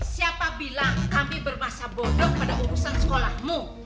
siapa bilang kami bermasa bodoh pada urusan sekolahmu